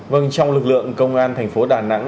vâng trong lực lượng công an thành phố đà nẵng